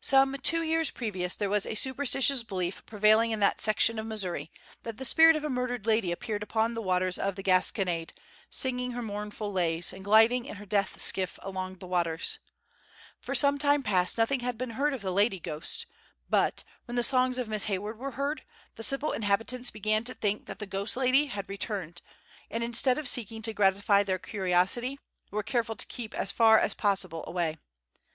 Some two years previous, there was a superstitious belief prevailing in that section of Missouri, that the spirit of a murdered lady appeared upon the waters of the Gasconade, singing her mournful lays, and gliding in her death skiff along the waters. For some time past nothing had been heard of the "lady ghost;" but, when the songs of Miss Hayward were heard, the simple inhabitants began to think that the "ghost lady" had returned, and, instead of seeking to gratify their curiosity, were careful to keep as far as possible away.